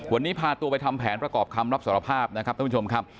วันนี้พาตัวไปทำแผนประกอบคำรับสารภาพนะครับท่านผู้ชมครับ